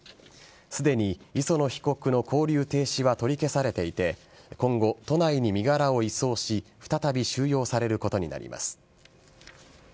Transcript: すでに磯野被告の勾留停止は取り消されていて今後、都内に身柄を移送し再び収容されることになります。